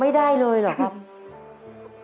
ไม่ได้เลยเหรอครับ